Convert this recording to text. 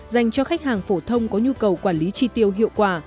dành cho khách hàng phổ thông có nhu cầu quản lý chi tiêu hiệu quả